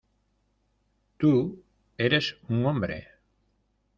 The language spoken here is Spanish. tú eres un hombre.